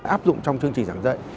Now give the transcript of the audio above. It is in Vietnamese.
áp dụng trong chương trình giảng dạy